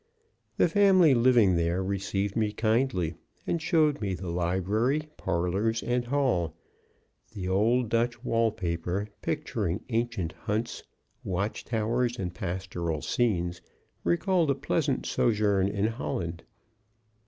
The family living there received me kindly, and showed me the library, parlors and hall; the old Dutch wall paper, picturing ancient hunts, watch towers, and pastoral scenes, recalled a pleasant sojourn in Holland.